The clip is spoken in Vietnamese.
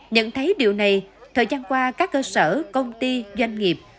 nhận thấy điều này thời gian qua các cơ sở công ty doanh nghiệp